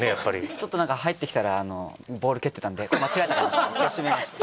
ちょっとなんか入ってきたらボール蹴ってたんでこれ間違えたなと思って閉めました。